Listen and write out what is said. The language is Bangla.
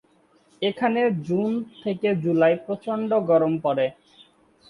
এখানে জুন থেকে জুলাই প্রচণ্ড গরম পরে।